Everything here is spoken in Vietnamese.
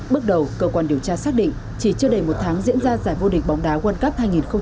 bước đầu cơ quan điều tra xác định chỉ chưa đầy một tháng diễn ra giải vô địch bóng đá world cup hai nghìn hai mươi ba